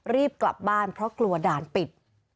รีบกลับบ้านเพราะกลัวด่านปิด